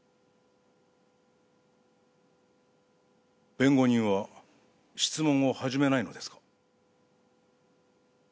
弁護人は質問を始めないのですか？